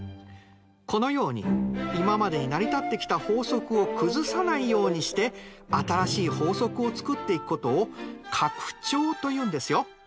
このように今までに成り立ってきた法則を崩さないようにして新しい法則を作っていくことを拡張というんですよ。